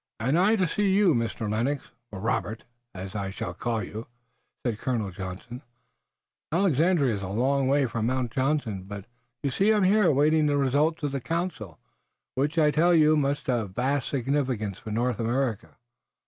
"And I to see you, Mr. Lennox, or Robert, as I shall call you," said Colonel Johnson. "Alexandria is a long journey from Mount Johnson, but you see I'm here, awaiting the results of this council, which I tell you may have vast significance for North America."